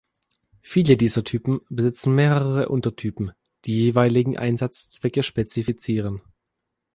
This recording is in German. Viele dieser Typen besitzen mehrere Untertypen, die jeweiligen Einsatzzwecke spezifizieren.